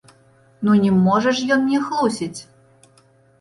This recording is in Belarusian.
Ну не можа ж ён мне хлусіць!